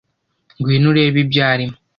ngwino urebe ibyo arimo